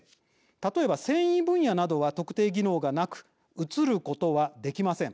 例えば繊維分野などは特定技能がなく移ることはできません。